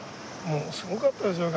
もうすごかったですよ